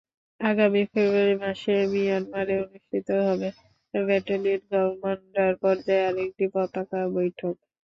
আগামী ফেব্রুয়ারি মাসে মিয়ানমারে অনুষ্ঠিত হবে ব্যাটালিয়ন কমান্ডার পর্যায়ে আরেকটি পতাকা বৈঠক।